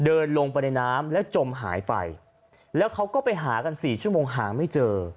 เดินลงไปในน้ำแล้วจมหายไปแล้วเขาก็ไปหากันสี่ชั่วโมงหาไม่เจอ